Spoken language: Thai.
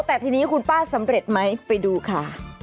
แต่ทีนี้คุณป้าสำเร็จไหมไปดูค่ะ